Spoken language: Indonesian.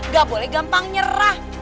gak boleh gampang nyerah